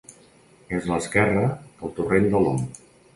És a l'esquerra del torrent de l'Om.